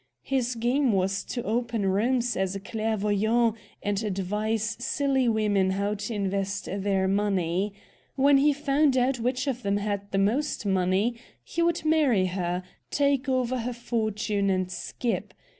His game was to open rooms as a clairvoyant, and advise silly women how to invest their money. When he found out which of them had the most money, he would marry her, take over her fortune, and skip.